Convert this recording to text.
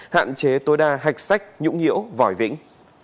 hạn chế tối đa hạch sách nhũng nhiễu vòi vĩnh